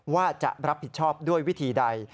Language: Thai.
ว่าจะรับผิดชอบด้วยวิธีใด